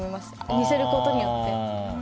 似せることによって。